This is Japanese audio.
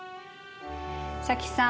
早紀さん